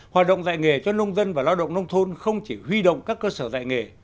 hoạt động dạy nghề cho nông dân và lao động nông thôn không chỉ huy động các cơ sở dạy nghề